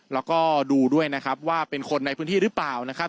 แล้วก็ดูด้วยนะครับว่าเป็นคนในพื้นที่หรือเปล่านะครับ